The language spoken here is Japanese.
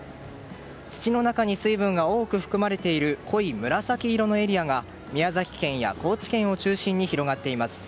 土の中に水分が多く含まれている濃い紫色のエリアが宮崎県や高知県を中心に広がっています。